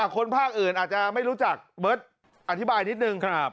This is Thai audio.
ภาคอื่นอาจจะไม่รู้จักเบิร์ตอธิบายนิดนึง